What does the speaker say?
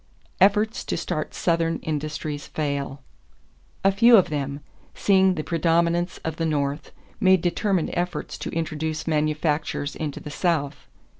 =Efforts to Start Southern Industries Fail.= A few of them, seeing the predominance of the North, made determined efforts to introduce manufactures into the South.